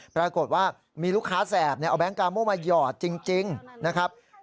ปรากฏว่ามีลูกค้าแสบเอาแก๊งกาโมมาหยอดจริงนะครับ